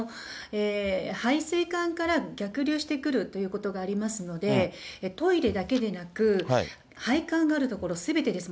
排水管から逆流してくるということがありますので、トイレだけでなく、排管がある所すべてです。